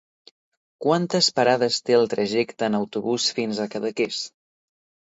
Quantes parades té el trajecte en autobús fins a Cadaqués?